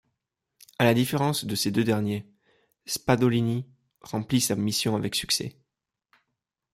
À la différence de ces deux derniers, Spadolini remplit sa mission avec succès.